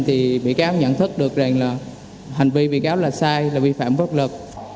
thì bị cáo nhận thức được rằng là hành vi bị cáo là sai là vi phạm vất lực